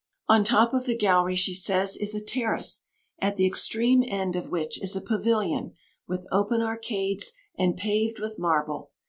"On the top of the gallery," she says, "is a terrace, at the extreme end of which is a pavilion, with open arcades and paved with marble.